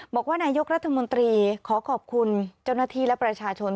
บอกว่านายกรัฐมนตรีขอขอบคุณเจ้าหน้าที่และประชาชน